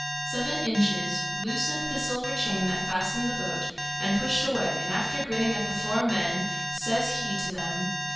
Seven Inches loosened the silver chain that fastened the boat, and pushed away, and after grinning at the four men, says he to them.